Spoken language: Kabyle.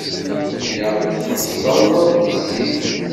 Ilaq ad tḥebseḍ tissit.